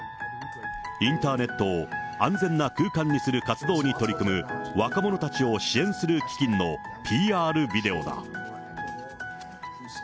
インターネットを安全な空間にする活動に取り組む若者たちを支援する基金のＰＲビデオだ。